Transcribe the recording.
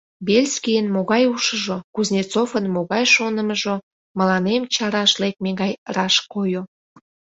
Бельскийын могай ушыжо, Кузнецовын могай шонымыжо — мыланем чараш лекме гай раш койо.